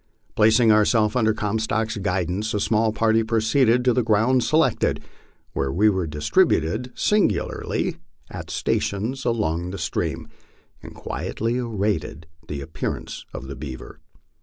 Placing ourselves under Comstock's guidance, a small party proceeded to the ground selected, where we were distributed singly at stations along the stream and quietly awaited the appearance of the beaver.